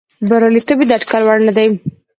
بریالیتوب یې د اټکل وړ نه دی.